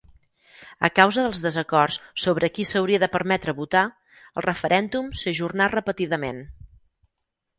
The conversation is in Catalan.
A causa dels desacords sobre a qui s'hauria de permetre votar, el referèndum s'ajornà repetidament.